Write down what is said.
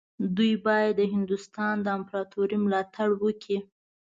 دوی باید د هندوستان د امپراطورۍ ملاتړ وکړي.